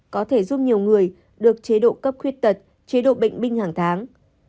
có thể giúp nhiều người được chế độ cấp khuyết tật chế độ bệnh binh hàng tháng